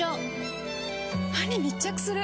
歯に密着する！